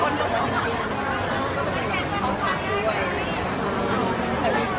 แล้วมันก็อันตรายต่อ